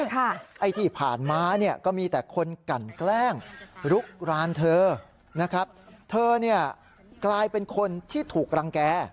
ไอ้ที่ผ่านมาเนี่ยก็มีแต่คนกันแกล้งลุกรานเธอนะครับเธอเนี่ยกลายเป็นคนที่ถูกรังแก่